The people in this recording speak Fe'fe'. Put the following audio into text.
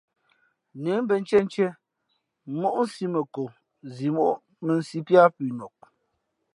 Nə̌ mbᾱ ntíéntīē móʼ nsī mα ko zimóʼ mᾱ nsí píá pʉnok.